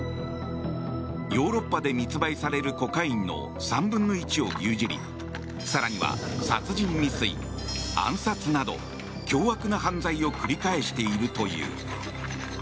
ヨーロッパで密売されるコカインの３分の１を牛耳り更には殺人未遂、暗殺など凶悪な犯罪を繰り返しているという。